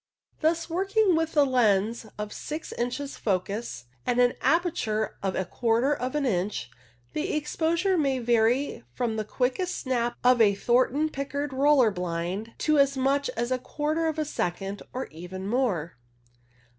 Thus, working with a lens of six inches focus and an aperture of a quarter of an inch, the exposure may vary from the quickest snap of a Thornton Pickard roller blind to as much as a quarter of a second, or even more.